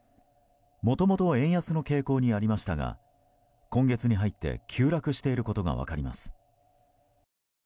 もともと円安の傾向にありましたが今月に入って急落していることが分かります。